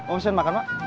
ocean makan pak